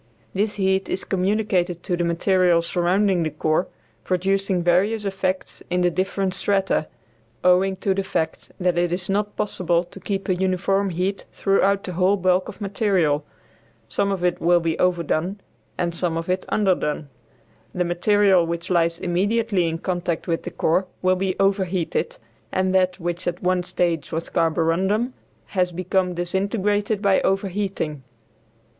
This heat is communicated to the material surrounding the core, producing various effects in the different strata, owing to the fact that it is not possible to keep a uniform heat throughout the whole bulk of material. Some of it will be "overdone" and some of it "underdone." The material which lies immediately in contact with the core will be overheated, and that, which at one stage was carborundum, has become disintegrated by overheating.